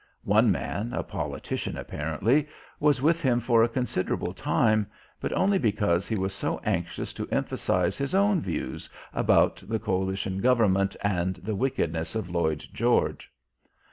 One man, a politician apparently, was with him for a considerable time, but only because he was so anxious to emphasise his own views about the Coalition Government and the wickedness of Lloyd George.